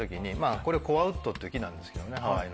これコアウッドっていう木なんですけどハワイの。